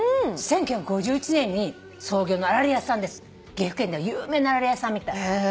岐阜県では有名なあられ屋さんみたい。